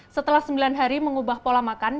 setelah sembilan hari mengubah pola makan